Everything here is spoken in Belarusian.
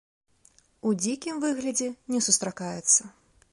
У дзікім выглядзе не сустракаецца.